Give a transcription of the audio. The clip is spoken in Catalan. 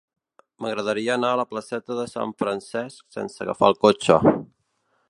M'agradaria anar a la placeta de Sant Francesc sense agafar el cotxe.